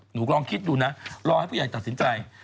ลองคิดดูนะรอให้ผู้ใหญ่ตัดสินใจ